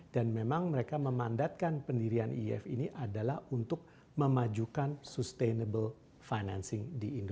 dan memang mereka memandatkan pendirian iif ini adalah untuk memajukan sustainable financing